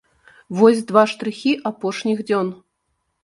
Вось два штрыхі апошніх дзён.